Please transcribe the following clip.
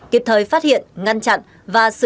kịp thời phát hiện ngăn chặn và giải trí